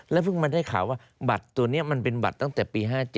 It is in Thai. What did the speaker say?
เพิ่งมาได้ข่าวว่าบัตรตัวนี้มันเป็นบัตรตั้งแต่ปี๕๗